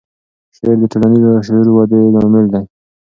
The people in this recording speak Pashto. شعر د ټولنیز شعور ودې لامل دی.